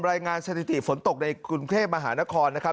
รายงานสถิติฝนตกในกรุงเทพมหานครนะครับ